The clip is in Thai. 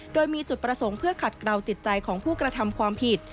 โดยมีจุดประสงค์เพื่อขัดกล่าวจิตใจของผู้กระทำความผิด